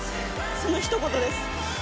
そのひと言です。